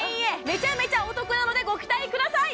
めちゃめちゃお得なのでご期待ください